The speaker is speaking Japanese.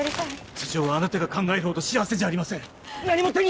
社長はあなたが考えるほど幸せじゃありません何も手に